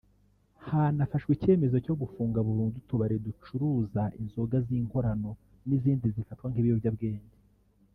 Hanafashwe icyemezo cyo gufunga burundu utubari ducuruza inzoga z’inkorano n’izindi zifatwa nk’ibiyobyabwenge